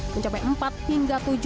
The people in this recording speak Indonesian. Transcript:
mencapai empat hingga lima